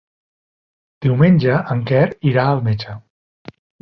Diumenge en Quer irà al metge.